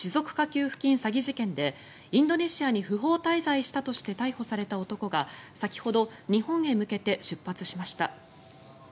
給付金詐欺事件でインドネシアに不法滞在したとして逮捕された男が先ほど日本へ向けて出発しました。